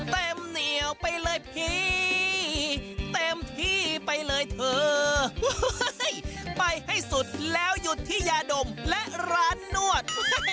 เต็มเหนียวไปเลยพี่เต็มที่ไปเลยเถอะไปให้สุดแล้วหยุดที่ยาดมและร้านนวด